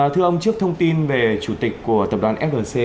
thưa ông trước thông tin về chủ tịch của tập đoàn flc